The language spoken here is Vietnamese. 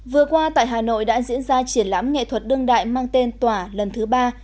vừa qua tại hà nội đã diễn ra triển lãm nghệ thuật đương đại mang tên tỏa lần thứ ba